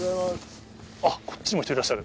あっ、こっちにも人がいらっしゃる。